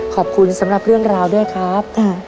สำหรับเรื่องราวด้วยครับ